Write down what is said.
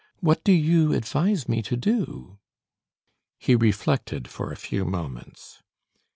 What do you advise me to do?" He reflected for a few moments.